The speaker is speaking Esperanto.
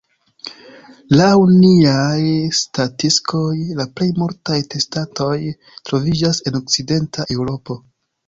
Laŭ niaj statikistoj, la plej multaj testantoj troviĝas en okcidenta Eŭropo.